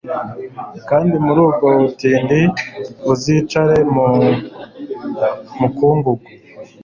kandi muri ubwo butindi, uzicare mu mukungugu